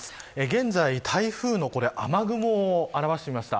現在台風の雨雲を表してみました。